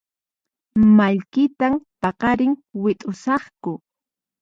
Mallkitan paqarin wit'usaqku